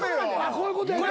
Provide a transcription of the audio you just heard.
こういうことやな。